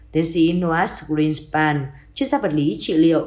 tiến sĩ noah greenspan chuyên gia vật lý trị liệu